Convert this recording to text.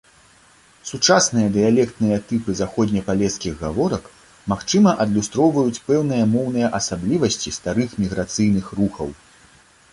Сучасныя дыялектныя тыпы заходнепалескіх гаворак, магчыма, адлюстроўваюць пэўныя моўныя асаблівасці старых міграцыйных рухаў.